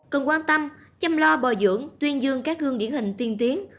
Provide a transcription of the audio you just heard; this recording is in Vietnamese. cần quan tâm chăm lo bồi dưỡng tuyên dương các gương điển hình tiên tiến